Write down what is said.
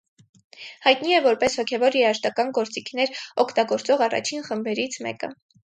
Հայտնի է որպես հոգևոր երաժշտական գործիքներ օգտագործող առաջին խմբերից մեկը։